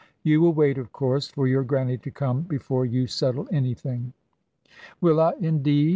"You will wait, of course, for your Granny to come, before you settle anything." "Will I, indeed?"